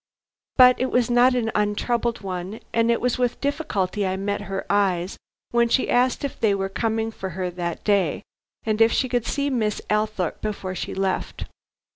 But it was not an untroubled one, and it was with difficulty I met her eyes when she asked if they were coming for her that day, and if she could see Miss Althorpe before she left.